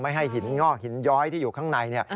ให้หินงอกหินย้อยที่อยู่ข้างใน